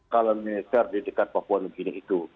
kota baru di dekat papua begini